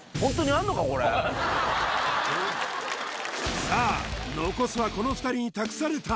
これさあ残すはこの２人に託された